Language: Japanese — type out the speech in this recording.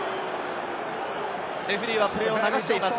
レフェリーはプレーを流しています。